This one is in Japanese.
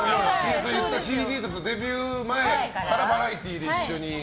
ＣＤ、デビュー前からバラエティーで一緒に。